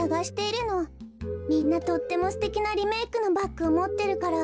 みんなとってもすてきなリメークのバッグをもってるから。